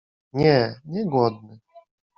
Nie, nie głodny.